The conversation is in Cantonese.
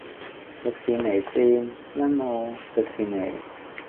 迪士尼綫：欣澳，迪士尼